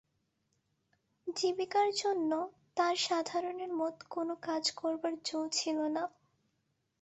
জীবিকার জন্য তাঁর সাধারণের মত কোন কাজ করবার জো ছিল না।